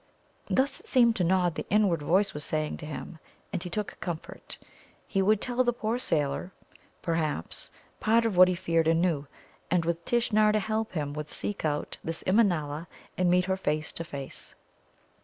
Thus it seemed to Nod the inward voice was saying to him, and he took comfort. He would tell the poor sailor, perhaps, part of what he feared and knew, and with Tishnar to help him would seek out this Immanâla and meet her face to face.